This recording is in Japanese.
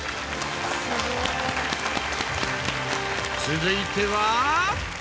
続いては。